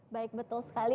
baik betul sekali